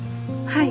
はい。